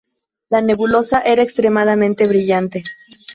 La nebulosa era extremadamente brillante.